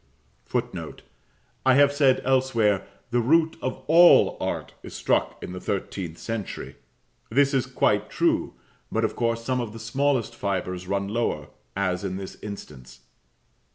[Footnote: I have said elsewhere, "the root of all art is struck in the thirteenth century." This is quite true: but of course some of the smallest fibres run lower, as in this instance.